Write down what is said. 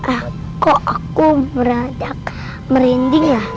eh kok aku meragak merinding ya